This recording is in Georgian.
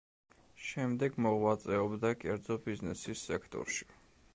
შემდეგ მოღვაწეობდა კერძო ბიზნესის სექტორში.